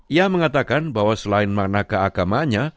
ia mengatakan bahwa selain makna keagamanya